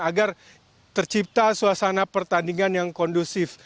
agar tercipta suasana pertandingan yang kondusif